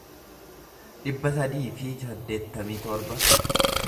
dhibba sadii fi saddeettamii torba